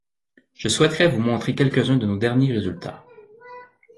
je souhaiterais vous montrer quelques-uns de nos derniers résultats.